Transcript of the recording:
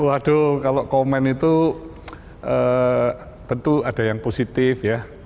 waduh kalau komen itu tentu ada yang positif ya